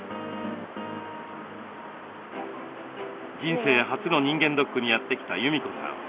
人生初の人間ドックにやって来た裕美子さん。